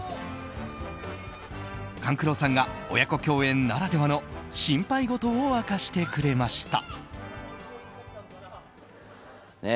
勘九郎さんが親子共演ならではの心配事を明かしてくれました。